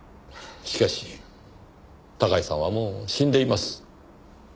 しかし高井さんはもう死んでいます。